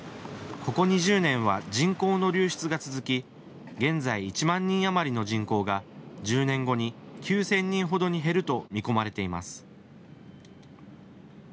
ここ２０年は人口の流出が続き現在、１万人あまりの人口が１０年後に９０００人ほどに減ると見込まれています。